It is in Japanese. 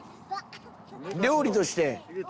料理として。